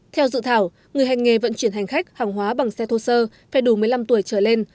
theo dự thảo người hành nghề vận chuyển hành khách hàng hóa bằng xe thô sơ phải đủ một mươi năm tuổi trở lên